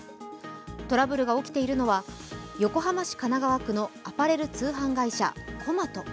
トラブルが起きているのは横浜市神奈川区のアパレル通販会社、ＫＯＭＡＴＯ。